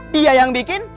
dia yang bikin